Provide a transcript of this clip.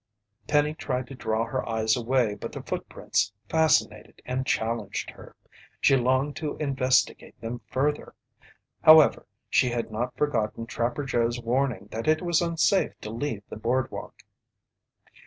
Penny tried to draw her eyes away, but the footprints fascinated and challenged her. She longed to investigate them further. However, she had not forgotten Trapper Joe's warning that it was unsafe to leave the boardwalk.